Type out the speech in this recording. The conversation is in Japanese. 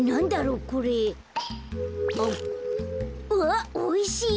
うわっおいしい。